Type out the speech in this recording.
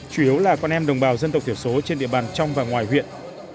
chủ yếu là con em đồng bào dân tộc tiểu số trên địa bàn trong và ngoài huyện